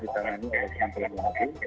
ditangani oleh kementerian pengadilan